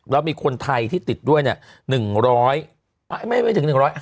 แล้วมีคนไทยที่ติดด้วยเนี่ย